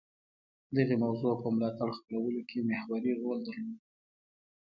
دغې موضوع په ملاتړ خپلولو کې محوري رول درلود